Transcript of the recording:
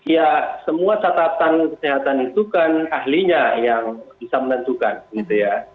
ya semua catatan kesehatan itu kan ahlinya yang bisa menentukan gitu ya